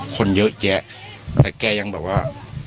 คนเยอะแยะแต่แกยังแบบว่า